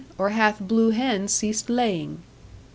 Or hath blue hen ceased laying?'